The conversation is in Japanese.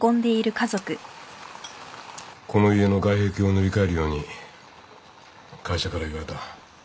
この家の外壁を塗り替えるように会社から言われた。